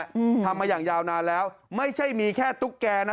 อืมทำมาอย่างยาวนานแล้วไม่ใช่มีแค่ตุ๊กแกนะ